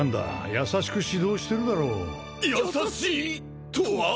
優しく指導してるだろ優しいとは？